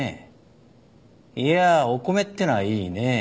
いやーお米ってのはいいね。